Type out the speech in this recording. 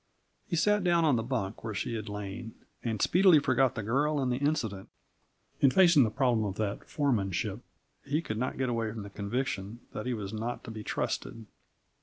He sat down on the bunk where she had lain, and speedily forgot the girl and the incident in facing the problem of that foremanship. He could not get away from the conviction that he was not to be trusted.